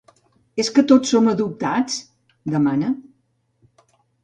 És que tots som adoptats? —demana.